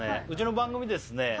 うちの番組ですね